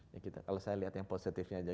ya kita kalau saya lihat yang positifnya aja